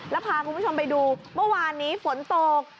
แล้วพาคุณผู้ชมไปดูเมื่อวานนี้ฝนตก